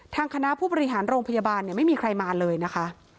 ทางคณะผู้บริหารโรงพยาบาลไม่มีใครมาเลยนะคะ